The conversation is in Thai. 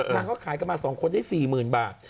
นางเขาขายกันมา๒คนได้๔๐๐๐บาท